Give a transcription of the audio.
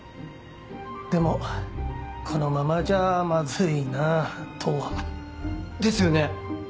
でもこのままじゃマズいなぁとは。ですよね。